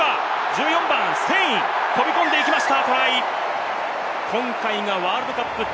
１４番・ステイン、飛び込んでいきました！